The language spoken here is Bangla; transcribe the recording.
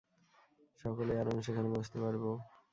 সকলেই আরামে সেখানে বসতে পারব।